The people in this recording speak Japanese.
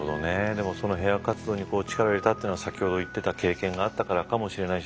でもその平和活動に力を入れたってのは先ほど言ってた経験があったからかもしれないし。